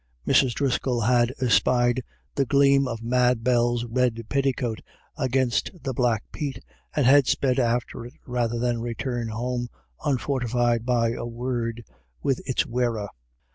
Mrs. O'Driscoll had espied the gleam of Mad Bell's red petticoat against the black peat, and had sped after it rather than return home unfortified by a word with its wearer.